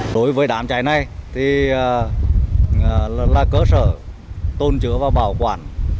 đối với đám cháy này thì là cơ sở tôn chứa và bảo quản